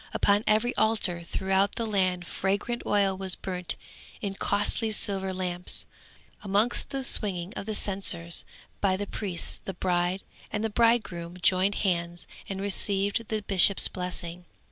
Upon every altar throughout the land fragrant oil was burnt in costly silver lamps. Amidst the swinging of censers by the priests the bride and bridegroom joined hands and received the bishop's blessing.